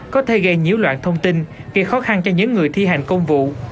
có thể gây nhiễu loạn thông tin gây khó khăn cho những người thi hành công vụ